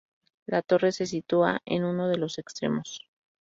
La torre se sitúa en uno de los extremos.